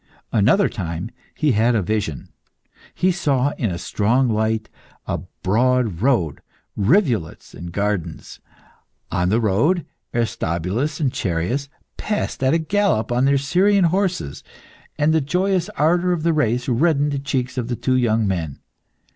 Another time he had a vision. He saw, in a strong light, a broad road, rivulets, and gardens. On the road, Aristobulus and Chereas passed at a gallop on their Syrian horses, and the joyous ardour of the race reddened the cheeks of the two young men.